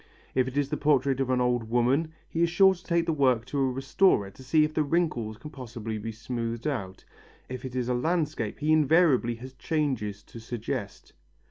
If it is the portrait of an old woman, he is sure to take the work to a restorer to see if the wrinkles can possibly be smoothed out, if it is a landscape he invariably has changes to suggest.